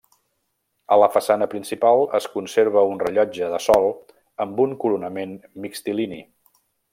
A la façana principal es conserva un rellotge de sol amb un coronament mixtilini.